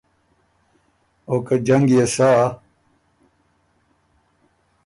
او که جنګ يې سۀ